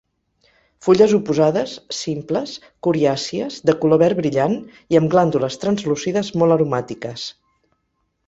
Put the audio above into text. Fulles oposades, simples, coriàcies, de color verd brillant i amb glàndules translúcides molt aromàtiques.